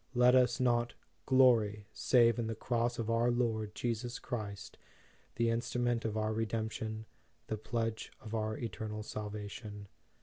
Let us not "glory, save in the Cross of our Lord Jesus Christ," the instrument of our Redemp tion, the pledge of our eternal salvation.